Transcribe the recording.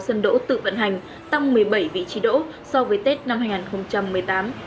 có hai mươi sáu sân đỗ tự vận hành tăng một mươi bảy vị trí đỗ so với tết năm hai nghìn một mươi tám